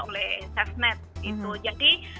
oleh cefnet gitu jadi